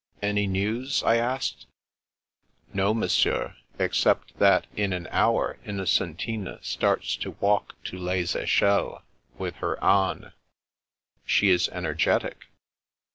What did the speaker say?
" Any news ?" I asked. " No, Monsieur, except that in an hour Inno centina starts to walk on to Les Echelles with her anes. " She is energetic.'